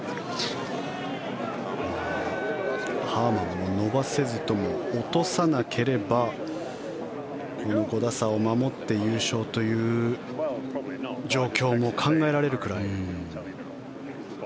ハーマンも伸ばせずとも落とさなければこの５打差を守って優勝という状況も考えられるぐらい。